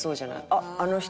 「あっあの人」。